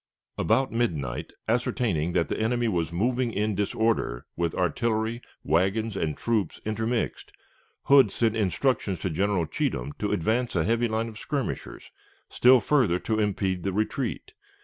About midnight, ascertaining that the enemy was moving in disorder, with artillery, wagons, and troops intermixed, Hood sent instructions to General Cheatham to advance a heavy line of skirmishers, still further to impede the retreat.